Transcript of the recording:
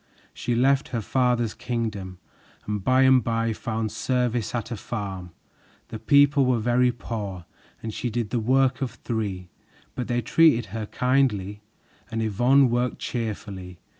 She left her father's kingdom and by and by found service at a farm. The people were very poor, and she did the work of three, but they treated her kindly, and Yvonne worked cheerfully.